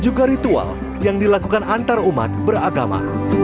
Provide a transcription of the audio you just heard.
juga ritual yang dilakukan antarumat beragama